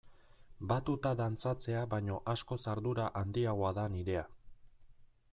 Batuta dantzatzea baino askoz ardura handiagoa da nirea.